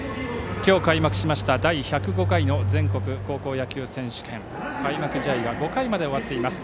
今日、開幕しました第１０５回の全国高校野球選手権開幕試合は５回まで終わっています。